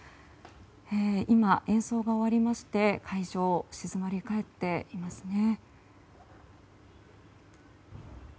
今、演奏が終わりまして会場、静まり返っていますね。